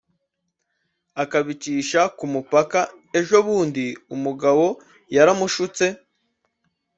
akabicisha kumupaka, ejo bundi umugabo yaramushutse